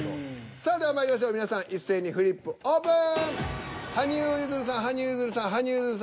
さあではまいりましょう皆さん一斉にフリップオープン。